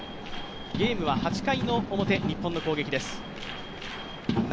ゲームは８回の表、日本の攻撃です。